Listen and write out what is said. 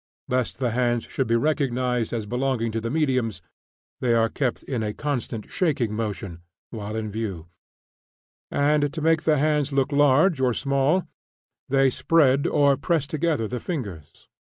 Lest the hands should be recognized as belonging to the mediums, they are kept in a constant shaking motion while in view; and to make the hands look large or small, they spread or press together the fingers.